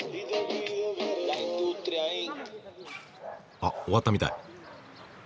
あっ終わったみたい。